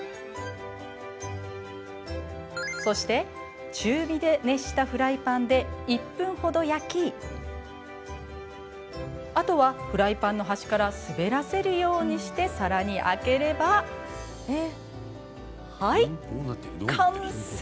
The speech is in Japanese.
そして中火で熱したフライパンで１分ほど焼きあとはフライパンの端から滑らせるようにして皿に空ければはい完成。